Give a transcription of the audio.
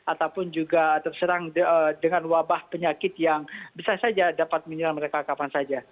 ataupun juga terserang dengan wabah penyakit yang bisa saja dapat menyerang mereka kapan saja